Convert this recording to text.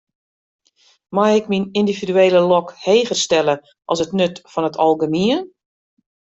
Mei ik myn yndividuele lok heger stelle as it nut fan it algemien?